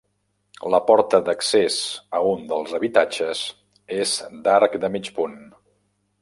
La porta d'accés a un dels habitatges és d'arc de mig punt.